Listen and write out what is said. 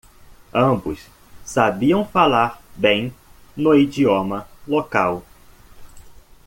Ambos sabiam falar bem no idioma local.